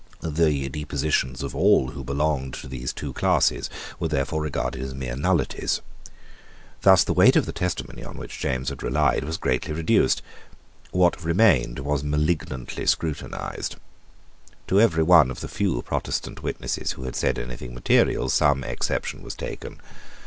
The depositions of all who belonged to these two classes were therefore regarded as mere nullities. Thus the weight of the testimony on which James had relied was greatly reduced. What remained was malignantly scrutinised. To every one of the few Protestant witnesses who had said anything material some exception was taken.